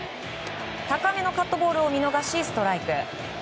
高めのカットボールを見逃しストライク。